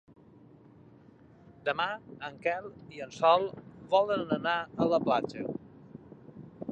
Demà en Quel i en Sol volen anar a la platja.